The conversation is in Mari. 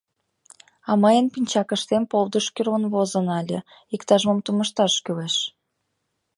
А мыйын пинчакыштем полдыш кӱрлын возын але иктаж-мом тумышташ кӱлеш.